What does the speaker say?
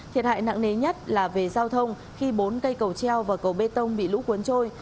thiệt hại nặng nề nhất là về giao thông khi bốn cây cầu treo và cầu bê tông bị lũ cuốn trôi